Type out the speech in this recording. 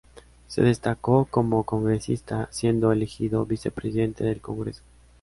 Se destacó como congresista, siendo elegido vicepresidente del Congreso.